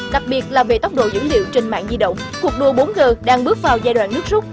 đặc biệt là về tốc độ dữ liệu trên mạng di động cuộc đua bốn g đang bước vào giai đoạn nước rút